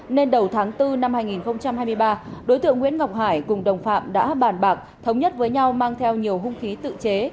nên đầu tháng bốn năm hai nghìn hai mươi ba đối tượng nguyễn ngọc hải cùng đồng phạm đã bàn bạc thống nhất với nhau mang theo nhiều hung khí tự chế